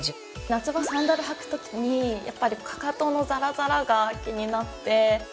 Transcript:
夏場サンダル履く時にやっぱりかかとのザラザラが気になって。